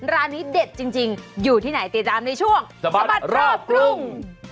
ร้านนี้เด็ดจริงอยู่ที่ไหนติดตามในช่วงสะบัดรอบกรุง